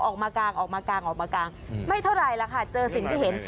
ออกมากางไม่เท่าไหร่ล่ะค่ะเจอสินก็เห็น